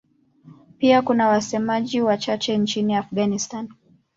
Pia kuna wasemaji wachache nchini Afghanistan.